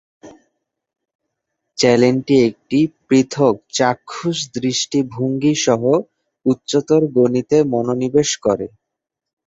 চ্যানেলটি একটি পৃথক চাক্ষুষ দৃষ্টিভঙ্গি সহ উচ্চতর গণিতে মনোনিবেশ করে।